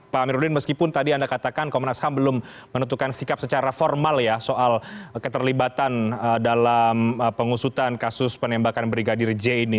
pak amiruddin meskipun tadi anda katakan komnas ham belum menentukan sikap secara formal ya soal keterlibatan dalam pengusutan kasus penembakan brigadir j ini